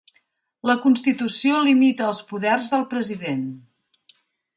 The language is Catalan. La constitució limita els poders del president.